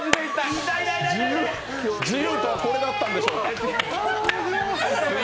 自由とはこれだったんでしょうか。